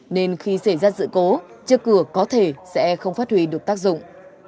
nên khi xảy ra sự cố chiếc cửa có thể sẽ không phát huy được tác dụng